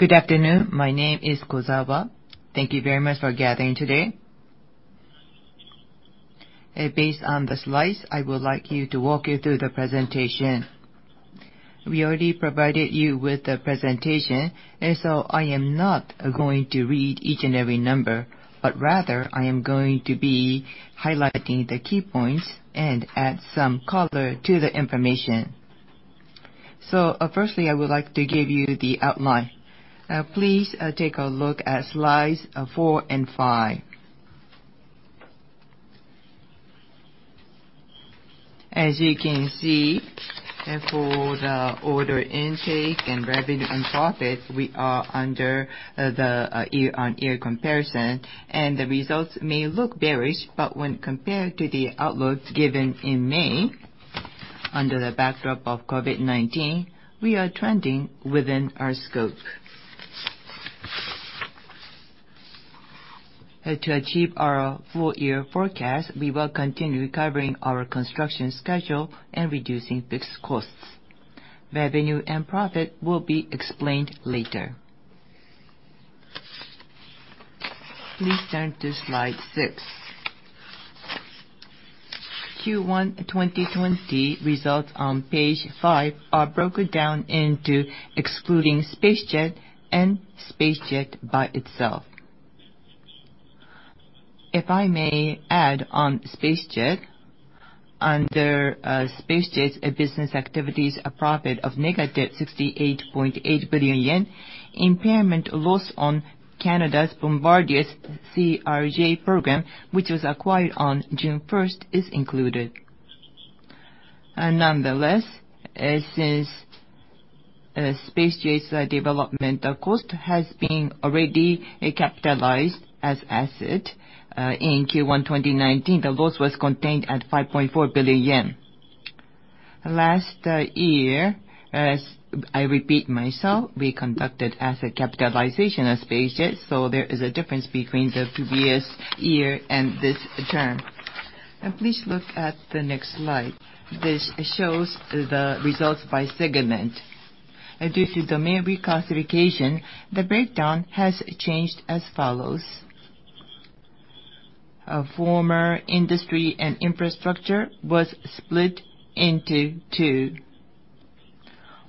Good afternoon. My name is Kozawa. Thank you very much for gathering today. Based on the slides, I would like you to walk you through the presentation. We already provided you with the presentation. I am not going to read each and every number, but rather, I am going to be highlighting the key points and add some color to the information. Firstly, I would like to give you the outline. Please take a look at slides four and five. As you can see, for the order intake and revenue and profits, we are under the year-over-year comparison. The results may look bearish, but when compared to the outlooks given in May, under the backdrop of COVID-19, we are trending within our scope. To achieve our full-year forecast, we will continue recovering our construction schedule and reducing fixed costs. Revenue and profit will be explained later. Please turn to slide six. Q1 2020 results on page five are broken down into excluding SpaceJet and SpaceJet by itself. If I may add on SpaceJet, under SpaceJet's business activities, a profit of negative 68.8 billion yen, impairment loss on Canada's Bombardier's CRJ program, which was acquired on June 1st, is included. Nonetheless, since SpaceJet's development cost has been already capitalized as asset in Q1 2019, the loss was contained at 5.4 billion yen. Last year, as I repeat myself, we conducted asset capitalization of SpaceJet, so there is a difference between the previous year and this term. Please look at the next slide. This shows the results by segment. Due to domain reclassification, the breakdown has changed as follows. Former Industry and Infrastructure was split into two,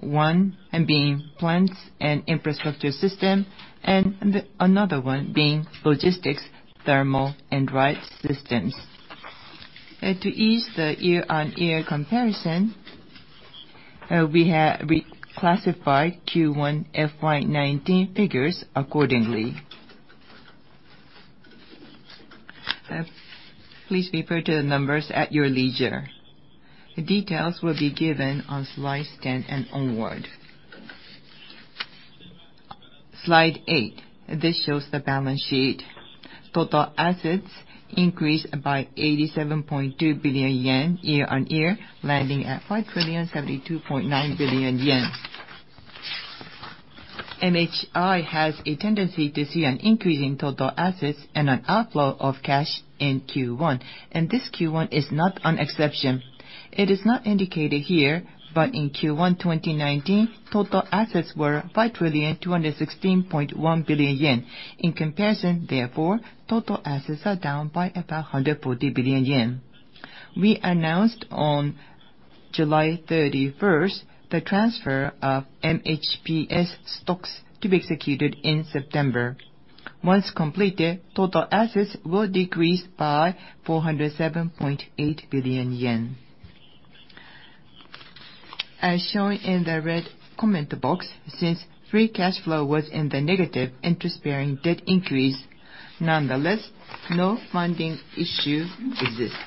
one being Plants and Infrastructure Systems, and another one being Logistics, Thermal & Drive Systems. To ease the year-on-year comparison, we classified Q1 FY 2019 figures accordingly. Please refer to the numbers at your leisure. The details will be given on slide 10 and onward. Slide eight. This shows the balance sheet. Total assets increased by 87.2 billion yen year-on-year, landing at 5,072.9 billion yen. MHI has a tendency to see an increase in total assets and an outflow of cash in Q1, and this Q1 is not an exception. It is not indicated here, but in Q1 2019, total assets were 5,216.1 billion yen. In comparison, therefore, total assets are down by about 140 billion yen. We announced on July 31st the transfer of MHPS stocks to be executed in September. Once completed, total assets will decrease by 407.8 billion yen. As shown in the red comment box, since free cash flow was in the negative, interest-bearing debt increased. Nonetheless, no funding issue exists.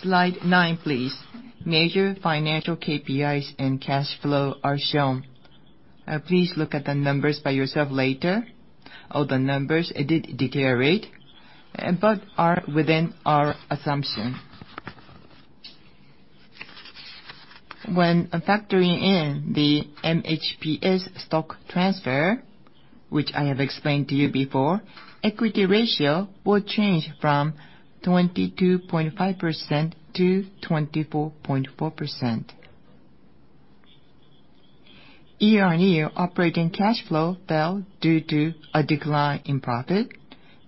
Slide nine, please. Major financial KPIs and cash flow are shown. Please look at the numbers by yourself later. All the numbers did deteriorate, but are within our assumption. When factoring in the MHPS stock transfer, which I have explained to you before, equity ratio will change from 22.5%-24.4%. Year-on-year operating cash flow fell due to a decline in profit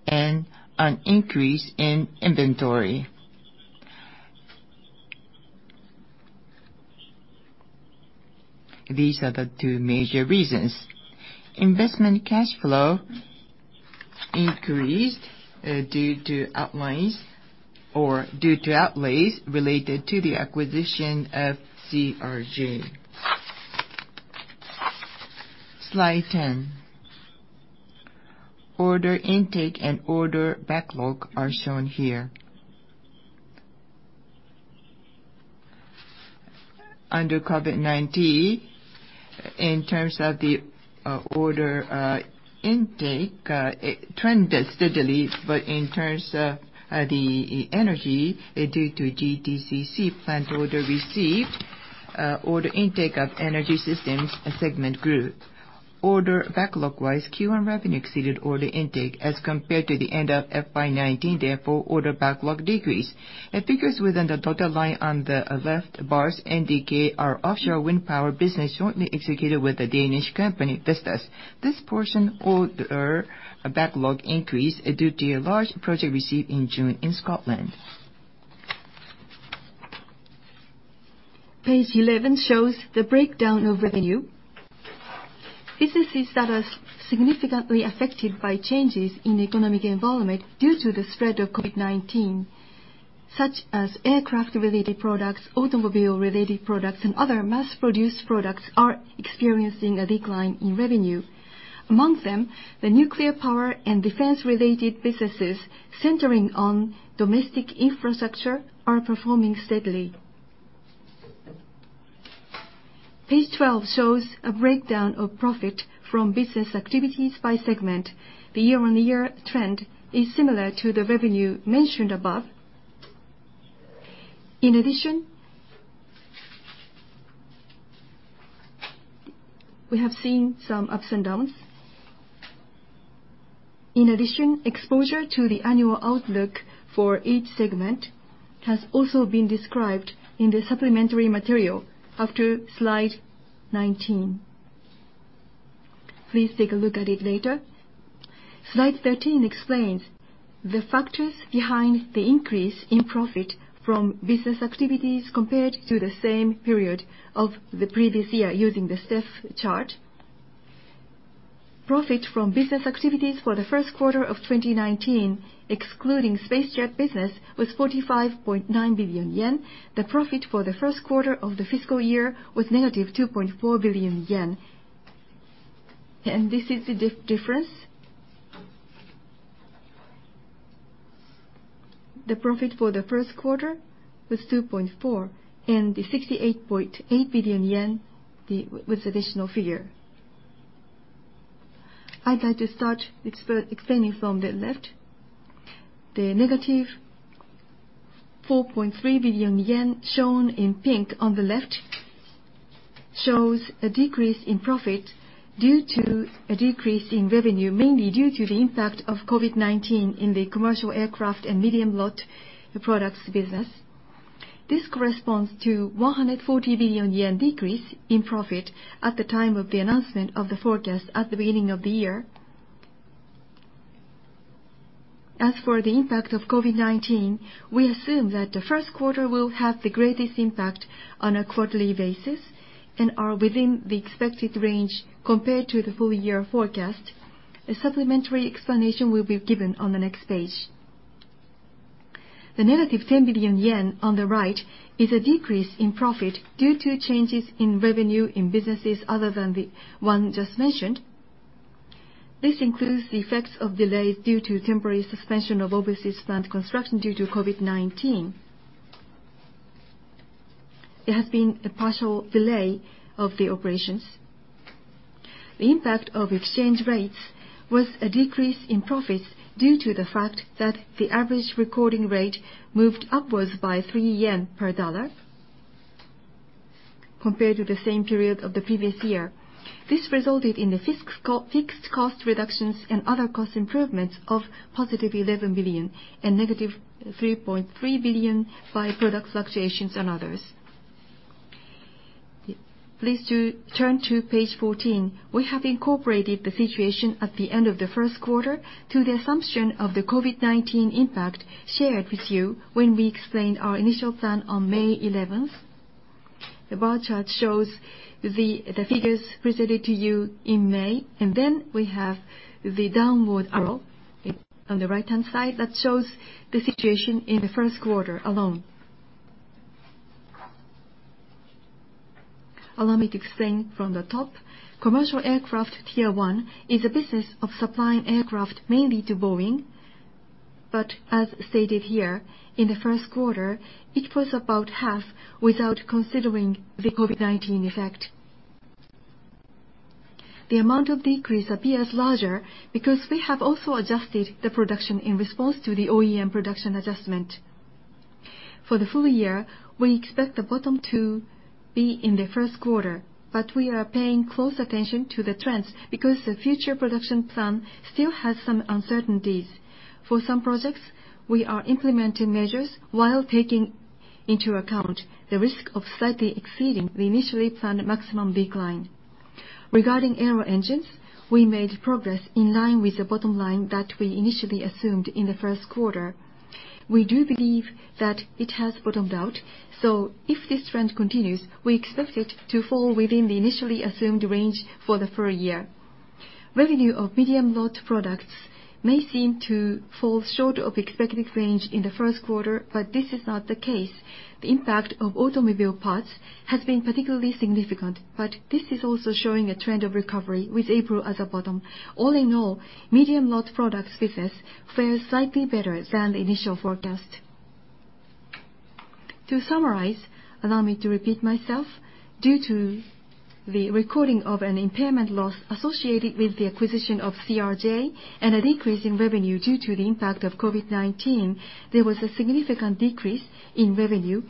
and an increase in inventory. These are the two major reasons. Investment cash flow increased due to outlays related to the acquisition of CRJ. Slide 10. Order intake and order backlog are shown here. Under COVID-19, in terms of the order intake, it trended steadily, but in terms of the energy, due to GTCC plant order received, order intake of Energy Systems segment grew. Order backlog-wise, Q1 revenue exceeded order intake as compared to the end of FY 2019, therefore, order backlog decreased. The figures within the dotted line on the left bars indicate our offshore wind power business jointly executed with the Danish company, Vestas. This portion order backlog increased due to a large project received in June in Scotland. Page 11 shows the breakdown of revenue. Businesses that are significantly affected by changes in economic environment due to the spread of COVID-19, such as aircraft-related products, automobile-related products, and other mass-produced products, are experiencing a decline in revenue. Among them, the nuclear power and defense-related businesses centering on domestic infrastructure are performing steadily. Page 12 shows a breakdown of profit from business activities by segment. The year-on-year trend is similar to the revenue mentioned above. In addition, we have seen some ups and downs. In addition, exposure to the annual outlook for each segment has also been described in the supplementary material after slide 19. Please take a look at it later. Slide 13 explains the factors behind the increase in profit from business activities compared to the same period of the previous year using the step chart. Profit from business activities for the first quarter of 2019, excluding SpaceJet business, was 45.9 billion yen. The profit for the first quarter of the fiscal year was negative 2.4 billion yen. This is the difference. The profit for the first quarter was 2.4 billion, and the 68.8 billion yen was additional figure. I'd like to start explaining from the left. The negative 4.3 billion yen shown in pink on the left shows a decrease in profit due to a decrease in revenue, mainly due to the impact of COVID-19 in the commercial aircraft and medium-lot products business. This corresponds to 140 billion yen decrease in profit at the time of the announcement of the forecast at the beginning of the year. As for the impact of COVID-19, we assume that the first quarter will have the greatest impact on a quarterly basis and are within the expected range compared to the full year forecast. A supplementary explanation will be given on the next page. The negative 10 billion yen on the right is a decrease in profit due to changes in revenue in businesses other than the one just mentioned. This includes the effects of delays due to temporary suspension of overseas plant construction due to COVID-19. There has been a partial delay of the operations. The impact of exchange rates was a decrease in profits due to the fact that the average recording rate moved upwards by 3 yen per dollar compared to the same period of the previous year. This resulted in the fixed cost reductions and other cost improvements of positive 11 billion and negative 3.3 billion by product fluctuations and others. Please turn to page 14. We have incorporated the situation at the end of the first quarter to the assumption of the COVID-19 impact shared with you when we explained our initial plan on May 11th. The bar chart shows the figures presented to you in May, and then we have the downward arrow on the right-hand side that shows the situation in the first quarter alone. Allow me to explain from the top. Commercial aircraft Tier 1 is a business of supplying aircraft mainly to Boeing. As stated here, in the first quarter, it was about half without considering the COVID-19 effect. The amount of decrease appears larger because we have also adjusted the production in response to the OEM production adjustment. For the full year, we expect the bottom to be in the first quarter, but we are paying close attention to the trends because the future production plan still has some uncertainties. For some projects, we are implementing measures while taking into account the risk of slightly exceeding the initially planned maximum decline. Regarding Aero Engines, we made progress in line with the bottom line that we initially assumed in the first quarter. We do believe that it has bottomed out, so if this trend continues, we expect it to fall within the initially assumed range for the full year. Revenue of medium lot products may seem to fall short of expected range in the first quarter, but this is not the case. The impact of automobile parts has been particularly significant, but this is also showing a trend of recovery, with April as a bottom. All in all, medium lot products business fares slightly better than the initial forecast. To summarize, allow me to repeat myself. Due to the recording of an impairment loss associated with the acquisition of CRJ and a decrease in revenue due to the impact of COVID-19, there was a significant decrease in revenue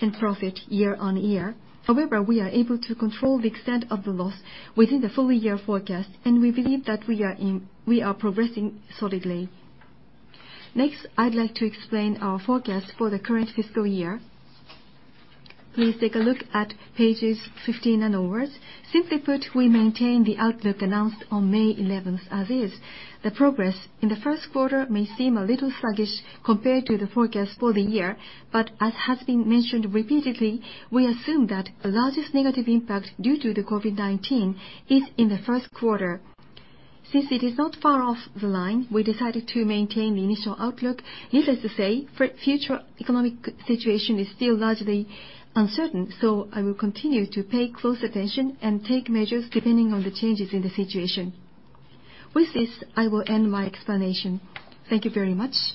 and profit year-over-year. However, we are able to control the extent of the loss within the full year forecast, and we believe that we are progressing solidly. Next, I'd like to explain our forecast for the current fiscal year. Please take a look at pages 15 onwards. Simply put, we maintain the outlook announced on May 11th as is. The progress in the first quarter may seem a little sluggish compared to the forecast for the year, but as has been mentioned repeatedly, we assume that the largest negative impact due to the COVID-19 is in the first quarter. Since it is not far off the line, we decided to maintain the initial outlook. Needless to say, future economic situation is still largely uncertain, so I will continue to pay close attention and take measures depending on the changes in the situation. With this, I will end my explanation. Thank you very much.